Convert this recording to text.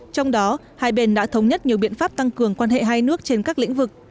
trong đó hai bên đã thống nhất nhiều biện pháp tăng cường quan hệ hai nước trên các lĩnh vực